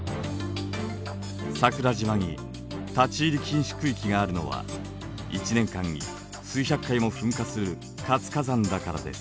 桜島に立ち入り禁止区域があるのは１年間に数百回も噴火する活火山だからです。